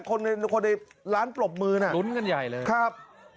คนในร้านปรบมือน่ะลุ้นกันใหญ่เลยครับ